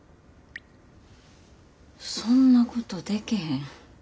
そんなことでけへん。